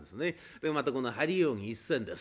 でまたこの張り扇一閃です。